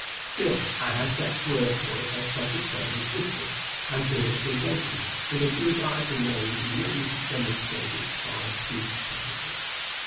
Still, I had Jack's word for it that such a trade existed; and here was a gentleman with a Judaical name ready to demonstrate it by proof positive.